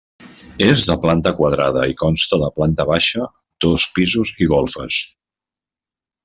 És de planta quadrada i consta de planta baixa, dos pisos i golfes.